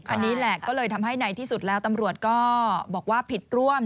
อันนี้แหละก็เลยทำให้ในที่สุดแล้วตำรวจก็บอกว่าผิดร่วม